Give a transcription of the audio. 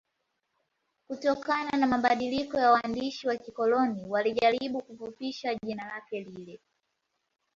Kutokana na mabadiliko ya waandishi wa kikoloni walijaribu kufupisha jina lile